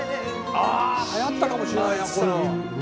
はやったかもしれないなこれは。